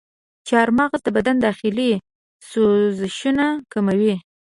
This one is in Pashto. چارمغز د بدن داخلي سوزشونه کموي.